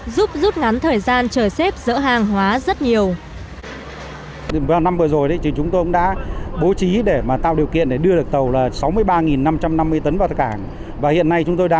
giúp giúp ngắn thời gian chở xếp dỡ hàng hóa rất nhiều